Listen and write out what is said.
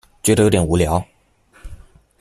觉得有点无聊